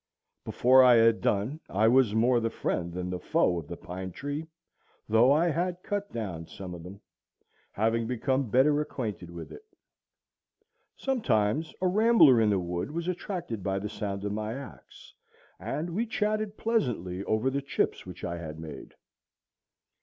Before I had done I was more the friend than the foe of the pine tree, though I had cut down some of them, having become better acquainted with it. Sometimes a rambler in the wood was attracted by the sound of my axe, and we chatted pleasantly over the chips which I had made.